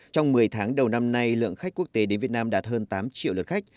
trong một mươi tháng đầu năm nay lượng khách quốc tế đến việt nam đạt hơn tám triệu lượt khách